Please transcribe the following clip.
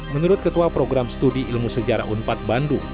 menurut ketua program studi ilmu sejarah unpad bandung